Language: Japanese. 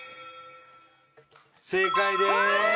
正解です。